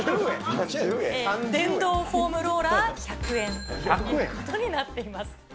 電動フォームローラー１００円ということになってます。